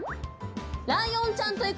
ライオンちゃんと行く！